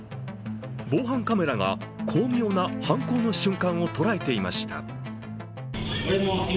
防犯カメラが、巧妙な犯行の瞬間を捉えていました。